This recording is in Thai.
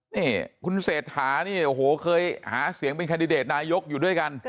นี่คุณเศรษฐานี่โอ้โหเคยหาเสียงเป็นแคนดิเดตนายกอยู่ด้วยกัน